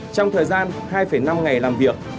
trong thời gian hai năm ngày làm việc